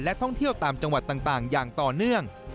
ท่องเที่ยวตามจังหวัดต่างอย่างต่อเนื่อง